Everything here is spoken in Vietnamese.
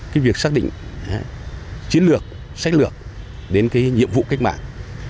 từ việc xác định chiến lược sách lược đến nhiệm vụ cách mạng